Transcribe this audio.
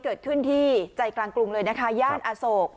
เกิดขึ้นที่ใจกลางกรุงเลยนะคะย่านอโศก